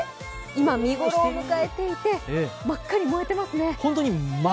今、見頃を迎えていて真っ赤に燃えてますね。